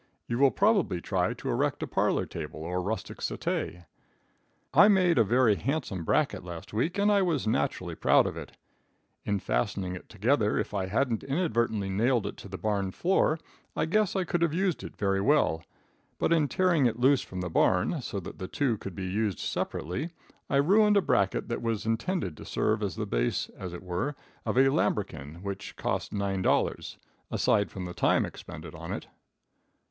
You will probable try to erect a parlor table or rustic settee. I made a very handsome bracket last week, and I was naturally proud of it. In fastening it together, if I hadn't inadvertently nailed it to the barn floor, I guess I could have used it very well, but in tearing it loose from the barn, so that the two could be used separately, I ruined a bracket that was intended to serve as the base, as it were, of a lambrequin which cost nine dollars, aside from the time expended on it.